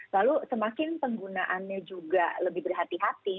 lalu semakin penggunaannya juga lebih berhati hati